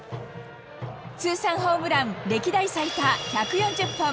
通算ホームラン歴代最多１４０本。